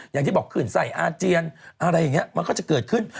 อย่างที่บอกขึ้นใส่อาเจียนอะไรอย่างนี้มันก็จะเกิดขึ้น